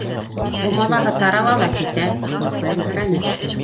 Бумалаһы тарала ла китә, - ул көлөмһөрәне.